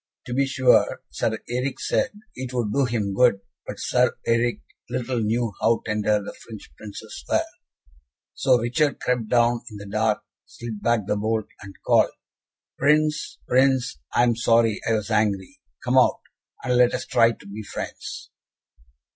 To be sure, Sir Eric said it would do him good, but Sir Eric little knew how tender the French Princes were. So Richard crept down in the dark, slid back the bolt, and called, "Prince, Prince, I am sorry I was angry. Come out, and let us try to be friends."